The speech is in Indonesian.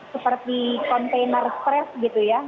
seperti kontainer stres gitu ya